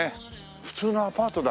普通のアパートだ。